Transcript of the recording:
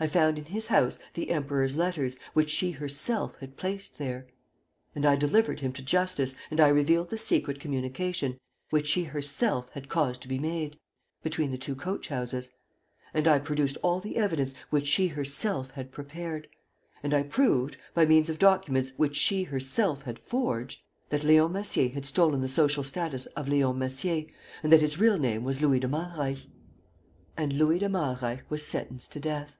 I found in his house the Emperor's letters, which she herself had placed there, and I delivered him to justice and I revealed the secret communication, which she herself had caused to be made, between the two coach houses, and I produced all the evidence which she herself had prepared, and I proved, by means of documents which she herself had forged, that Leon Massier had stolen the social status of Leon Massier and that his real name was Louis de Malreich. ... And Louis de Malreich was sentenced to death.